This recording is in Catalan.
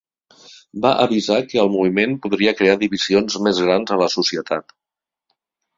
Va avisar que el moviment podria crear divisions més grans a la societat.